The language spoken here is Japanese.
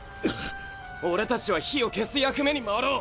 俺達は火を消す役目に回ろう！